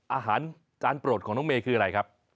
อาหารการปรดของน้องเมย์คือไหนครับ